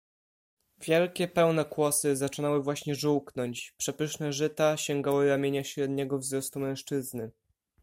"Wielkie, pełne kłosy zaczynały właśnie żółknąć, przepyszne żyta sięgały ramienia średniego wzrostu mężczyzny."